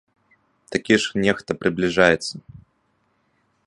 Такі ж нехта прыбліжаецца!